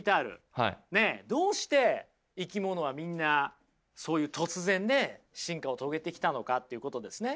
どうして生き物はみんなそういう突然ね進化を遂げてきたのかっていうことですね。